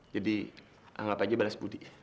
jadi anggap aja balas budi